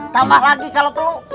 tambah lagi kalau perlu